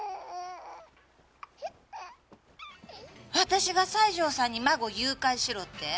私が西条さんに孫誘拐しろって？